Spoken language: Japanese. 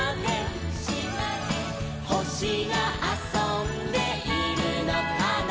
「ほしがあそんでいるのかな」